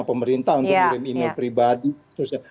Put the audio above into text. pemerintah untuk ngirim email pribadi